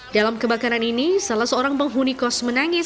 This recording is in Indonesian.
dalam kebakaran ini salah seorang penghuni kos menangis